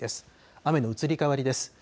雨の移り変わりです。